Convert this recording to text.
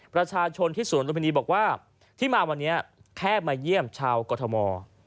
ประชาชนที่สวนลุมพินีบอกว่าที่มาวันนี้แค่มาเยี่ยมชาวกรทม